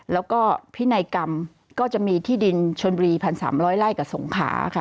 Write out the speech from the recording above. แล้วก็พินัยกรรมก็จะมีที่ดินชนบุรี๑๓๐๐ไร่กับสงขาค่ะ